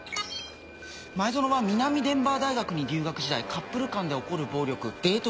前薗は南デンバー大学に留学時代カップル間で起こる暴力デート